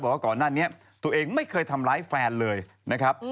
ว่าก่อนหน้านี้ตัวเองไม่เคยทำร้ายแฟนเลยนะครับ